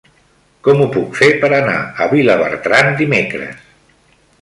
Com ho puc fer per anar a Vilabertran dimecres?